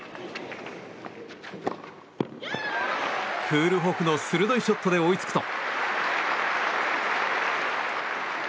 クールホフの鋭いショットで追いつくと。